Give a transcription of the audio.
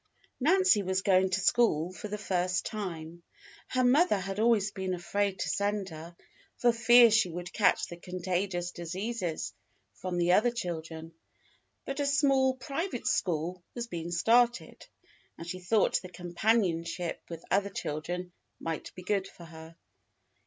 Nancy was going to school for the first time. Her mother had always been afraid to send her for fear she would catch the contagious diseases from the other children, but a small private school was being started, and she thought the companionship with other children might be good for her.